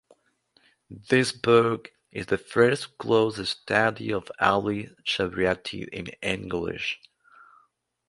This book is the first close study of Ali Shariati in English.